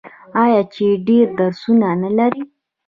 آیا چې ډیر درسونه نلري؟